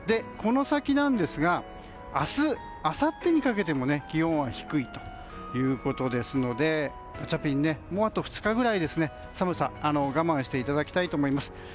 この先ですが明日、あさってにかけても気温は低いということですのであと２日ぐらい寒さ、我慢していただきたいと思います。